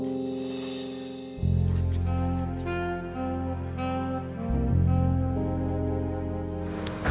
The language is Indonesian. dia akan melepaskan